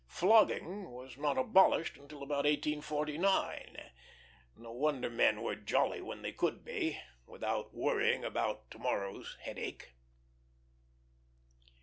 Flogging was not abolished until about 1849. No wonder men were jolly when they could be, without worrying about to morrow's headache.